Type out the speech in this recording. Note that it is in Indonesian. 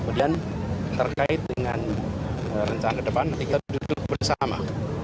kemudian terkait dengan rencana ke depan kita duduk bersama